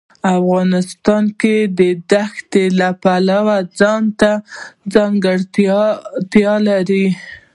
افغانستان د ښتې د پلوه ځانته ځانګړتیا لري.